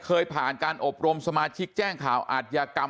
เคยผ่านการอบรมสมาชิกแจ้งข่าวอาทยากรรม